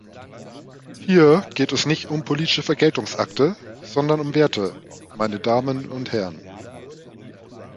Hier geht es nicht um politische Vergeltungsakte, sondern um Werte, meine Damen und Herren.